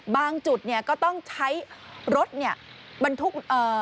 บางจุดก็ต้องใช้รถบันทุก